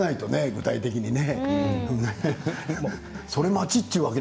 具体的にね。